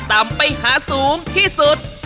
ต่ำไปหาสูงที่สุด